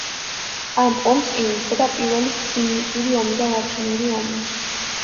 ამ ომს წინ უძღვოდა პირველი სამნიტური ომი და ლათინური ომი.